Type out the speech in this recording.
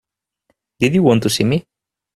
Did you want to see me?